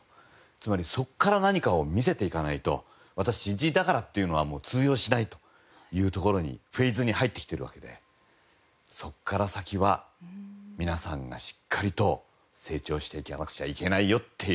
つまりそこから何かを見せていかないと「私新人だから」っていうのはもう通用しないというところにフェーズに入ってきてるわけでそこから先は皆さんがしっかりと成長していかなくちゃいけないよっていう。